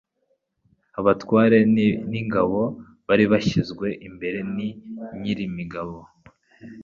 Abatware b' ingabo bari bashyizwe imbere ni Nyirimigabo